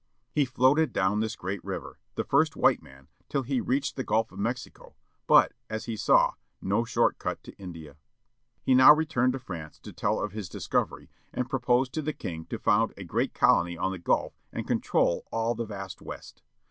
He floated down this great river, the first white man, till he reached the Gulf of Mexico ; but, as he saw, no short cut to India. He now returned to France, to tell of his discovery, and proposed to the king to found a great colony on the Gulf and control all the vast west.